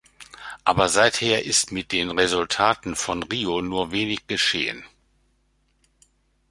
Aber seither ist mit den Resultaten von Rio nur wenig geschehen.